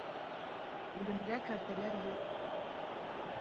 Үлемгә кәртәләр юҡ.